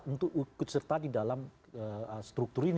untuk berserta di dalam struktur ini